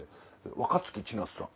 若槻千夏さん。